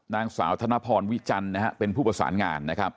นางสาวธนพรวิจันทร์นะฮะเป็นผู้ประสานงานนะครับ